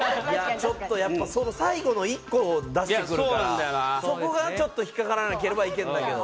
最後の１個を出してくるから、そこがちょっと引っ掛からなければいけるんだけど。